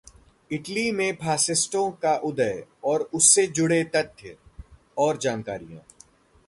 Italy में फासिस्टों का उदय और उससे जुड़े तथ्य और जानकारियां